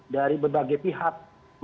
dari berbagai pihak